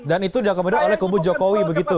dan itu diakomodir oleh kubu jokowi begitu